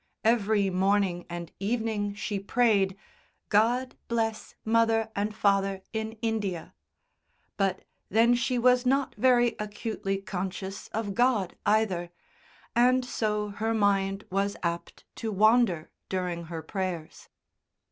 Every morning and evening she prayed, "God bless mother and father in India," but then she was not very acutely conscious of God either, and so her mind was apt to wander during her prayers.